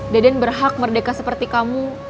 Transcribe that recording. deden berhak merdeka seperti kamu